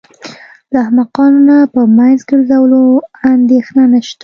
له احمقانو نه په مخ ګرځولو اندېښنه نشته.